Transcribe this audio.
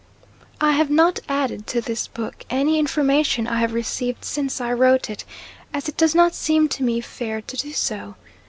I have not added to this book any information I have received since I wrote it, as it does not seem to me fair to do so.